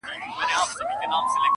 یوه شپه غېږه د جانان او زما ټوله ځواني,